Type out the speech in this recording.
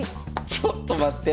ちょっと待って。